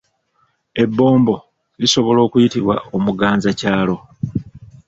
Ebbombo lisobola okuyitibwa Omuganzakyalo.